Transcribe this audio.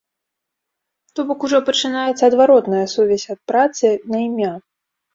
То бок, ужо пачынаецца адваротная сувязь ад працы на імя.